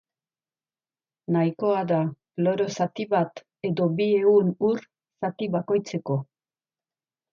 Nahikoa da kloro zati bat edo bi ehun ur zati bakoitzeko.